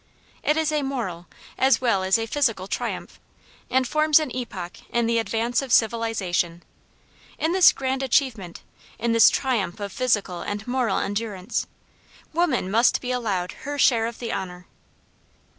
It is a moral as well as a physical triumph, and forms an epoch in the advance of civilization. In this grand achievement, in this triumph of physical and moral endurance, woman must be allowed her share of the honor.